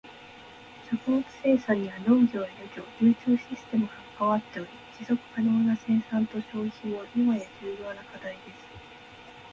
食物生産には農業や漁業、流通システムが関わっており、持続可能な生産と消費も今や重要な課題です。